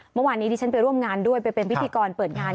เมื่อวานนี้ดิฉันไปร่วมงานด้วยไปเป็นพิธีกรเปิดงาน